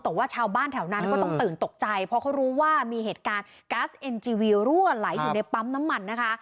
แต่ว่าชาวบ้านแถวนั้นก็ต้องตื่นตกใจเพราะเขารู้ว่ามีเหตุการณ์ก๊าซเอ็นจีวีรั่วไหลอยู่ในปั๊มน้ำมันนะคะ